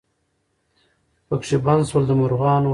پکښي بند سول د مرغانو وزرونه